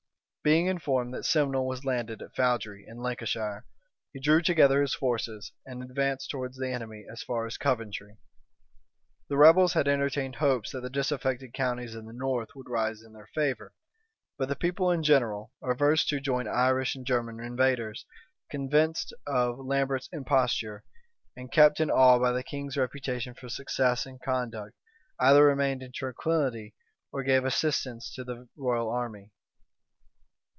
Being informed that Simnel was landed at Foudrey in Lancashire, he drew together his forces, and advanced towards the enemy as far as Coventry. The rebels had entertained hopes that the disaffected counties in the north would rise in their favor; but the people in general, averse to join Irish and German invaders, convinced of Lambert's imposture, and kept in awe by the king's reputation for success and conduct, either remained in tranquillity, or gave assistance to the royal army.